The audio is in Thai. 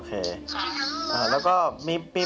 ของทางที่ดี